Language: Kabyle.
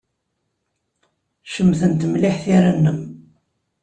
Cemtent mliḥ tira-nnem.